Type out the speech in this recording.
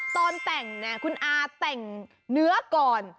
ตอนแต่งเนี่ยขุนอาร์เป้นเนื้อก่อน